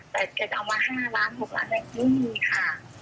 แต่แกจะเอามา๑ห้าร้าน๖หลานก็ไม่มีค่ะ